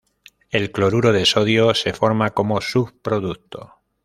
El cloruro de sodio se forma como subproducto.